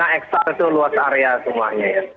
satu lima hektare itu luas area semuanya ya